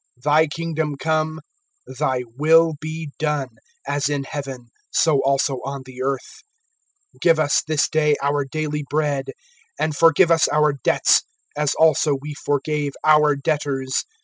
(10)Thy kingdom come; thy will be done, as in heaven, so also on the earth. (11)Give us this day our daily bread[6:11]. (12)And forgive us our debts, as also we forgave our debtors.